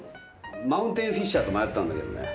マウンテンフィッシャーと迷ったんだけどね。